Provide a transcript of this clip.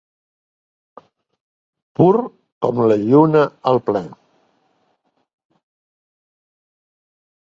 Pur com la lluna al ple.